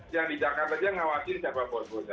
yang di jakarta aja ngawasin siapa bos bosnya